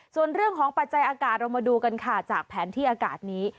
ส่วนเรื่องของปัจจัยอากาศเรามาดูกันค่ะจากแผนที่อากาศนี้